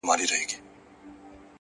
علم د عقل ځواک دی!.